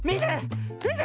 みて！